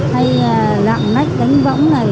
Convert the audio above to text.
hay là lạng lách đánh võng này